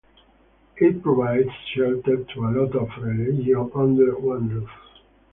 It provides shelter to a lot of religion under one roof.